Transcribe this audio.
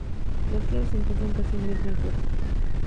Las claves se encuentran casi a la misma altura.